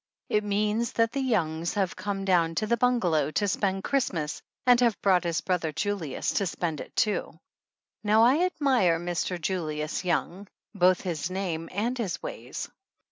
It means that the Youngs have come down to the bungalow to spend Christmas and have brought his brother, Julius, to spend it too. Now, I admire Mr. Julius Young, both his name and his ways.